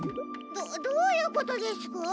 どどういうことですか？